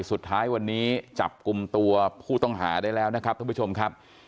สุดท้ายวันนี้จับกลุ่มตัวผู้ต้องหาได้แล้วนะครับท่านผู้ชมครับ